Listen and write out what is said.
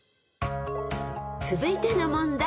［続いての問題］